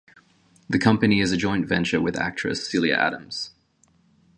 The company is a joint venture with actress, Celia Adams.